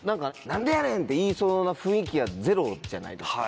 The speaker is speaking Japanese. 何でやねん！って言いそうな雰囲気はゼロじゃないですか。